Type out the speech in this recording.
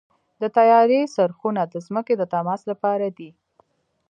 د طیارې څرخونه د ځمکې د تماس لپاره دي.